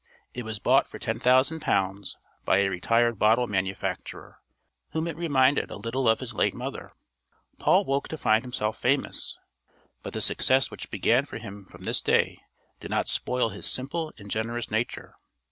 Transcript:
It was bought for £10,000 by a retired bottle manufacturer, whom it reminded a little of his late mother. Paul woke to find himself famous. But the success which began for him from this day did not spoil his simple and generous nature.